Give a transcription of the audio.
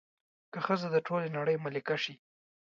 که ښځه د ټولې نړۍ ملکه شي